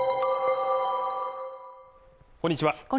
こんにちは